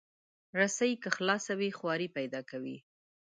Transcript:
رسۍ که خلاصه وي، خواری پیدا کوي.